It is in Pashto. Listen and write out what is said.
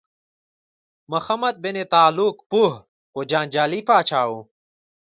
محمد بن تغلق پوه خو جنجالي پاچا و.